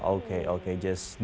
oke oke hanya dekat